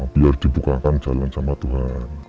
biar dibukakan jalan sama tuhan